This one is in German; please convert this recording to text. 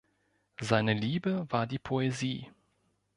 Seine Liebe war die Poesie.